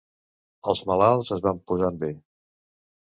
Els malalts es van posant bé.